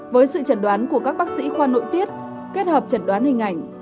với sự trần đoán của các bác sĩ khoa nội tiết kết hợp chẩn đoán hình ảnh